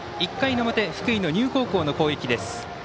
１回の表、福井の丹生高校の攻撃です。